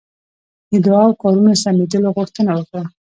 د دعا او کارونو سمېدلو غوښتنه وکړه.